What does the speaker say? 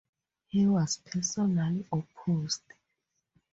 He was personally opposed.